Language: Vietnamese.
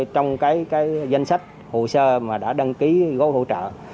trong cái danh sách hồ sơ mà đã đăng ký gói hỗ trợ